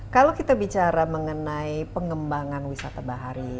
kalau kita bicara mengenai pengembangan wisata bahari